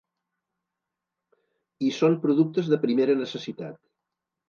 I són productes de primera necessitat.